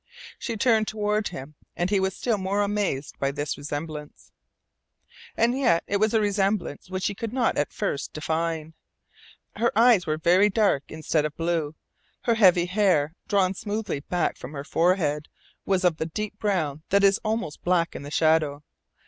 She turned toward him, and he was still more amazed by this resemblance. And yet it was a resemblance which he could not at first define. Her eyes were very dark instead of blue. Her heavy hair, drawn smoothly back from her forehead, was of the deep brown that is almost black in the shadow.